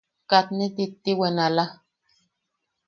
Katne titiiwen... ala...